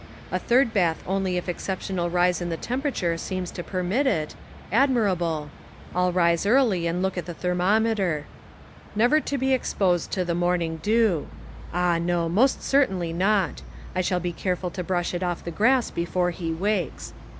A third bath only if an exceptional rise in the temperature seems to permit it: Admirable. I'll rise early and look at the thermometer — Never to be exposed to the morning dew: Ah, no, most certainly not. I shall be careful to brush it off the grass before he wakes.